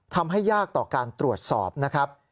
ทำให้ยากต่อการตรวจสอบนะครับ